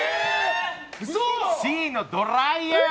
Ｃのドライヤー。